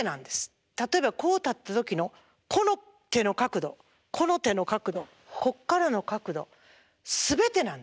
例えばこう立った時のこの手の角度この手の角度こっからの角度全てなんです。